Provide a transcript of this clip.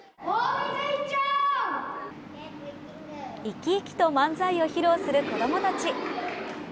生き生きと漫才を披露する子どもたち。